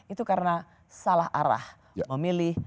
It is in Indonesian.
itu karena salah arah memilih